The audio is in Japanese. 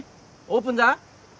オープンザ？